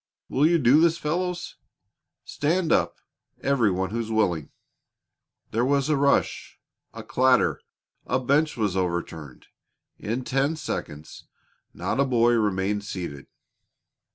Will you do this, fellows? Stand up, every one who's willing." There was a rush, a clatter a bench was overturned in ten seconds not a boy remained seated.